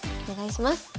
お願いします。